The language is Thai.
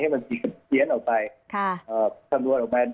ให้หมายที่เปลี่ยนออกไปทางดูออกมา